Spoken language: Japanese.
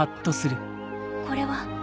これは？